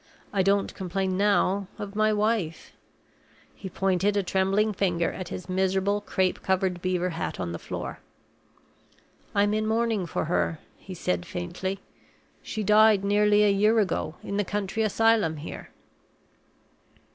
I don't complain now of my wife." He pointed a trembling finger at his miserable crape covered beaver hat on the floor. "I'm in mourning for her," he said, faintly. "She died nearly a year ago, in the county asylum here."